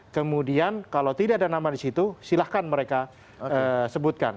kemudian kalau tidak ada nama di situ silahkan mereka sebutkan